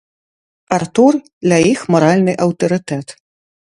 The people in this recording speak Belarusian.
Артур для іх маральны аўтарытэт.